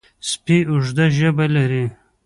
سپي اوږده ژبه لري.